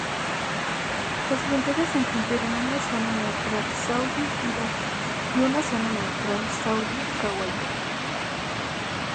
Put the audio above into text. Las fronteras incluyeron una zona neutral saudí-iraquí y una zona neutral saudí-kuwaití.